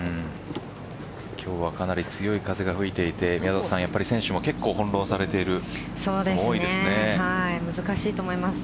今日はかなり強い風が吹いていて選手も結構翻弄されている場所が多いです。